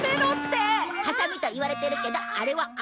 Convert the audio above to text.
ハサミといわれてるけどあれはアゴなんだ。